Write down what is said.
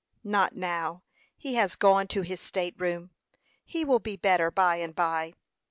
"Not now; he has gone to his state room. He will be better by and by."